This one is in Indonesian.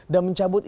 dan mencabut impor